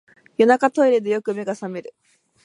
夜中、トイレでよく目が覚める